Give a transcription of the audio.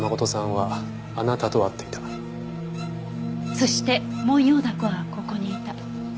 そしてモンヨウダコはここにいた。